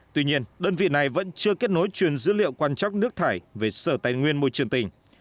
tuy nhiên đơn vị này vẫn chưa kết nối truyền dữ liệu quan trắc nước thải về sở tài nguyên môi trường tỉnh